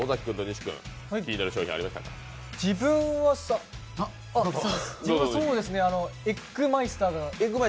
僕はエッグマイスター。